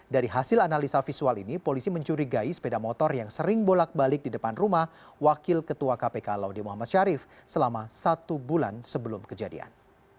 dari hasil analisa visual ini polisi mencurigai sepeda motor yang sering bolak balik di depan rumah wakil ketua kpk laude muhammad syarif selama satu bulan sebelum kejadian